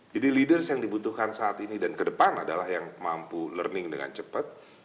jadi leaders yang dibutuhkan saat ini dan ke depan adalah yang mampu learning dengan cepat